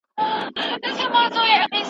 تاریخ لیکونکی نه سي کولای بشپړ بې طرفه پاتې سي.